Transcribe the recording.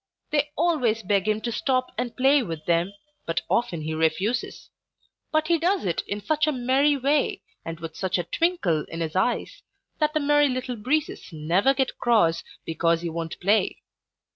They always beg him to stop and play with them, but often he refuses. But he does it in such a merry way and with such a twinkle in his eyes that the Merry Little Breezes never get cross because he won't play.